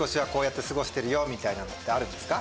みたいなのってあるんですか？